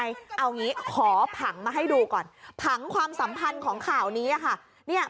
เอางี้ขอผังมาให้ดูก่อนผังความสัมพันธ์ของข่าวนี้ค่ะ